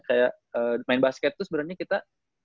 kayak main basket tuh sebenernya kita